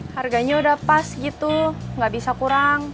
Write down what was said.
harganya udah pas gitu nggak bisa kurang